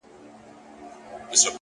ما دي د حُسن انتها ته سجده وکړه.!